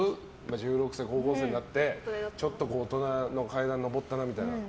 １６歳、高校生になってちょっと大人の階段上ったなみたいな。